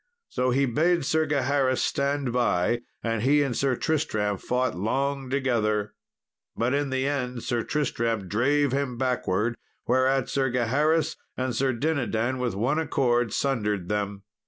So he bade Sir Gaheris stand by, and he and Sir Tristram fought long together; but in the end Sir Tristram drave him backward, whereat Sir Gaheris and Sir Dinadan with one accord sundered them.